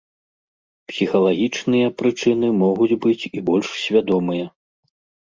Псіхалагічныя прычыны могуць быць і больш свядомыя.